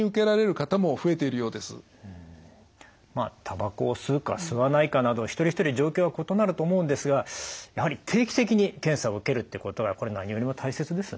たばこを吸うか吸わないかなど一人一人状況は異なると思うんですがやはり定期的に検査を受けるっていうことがこれ何よりも大切ですよね。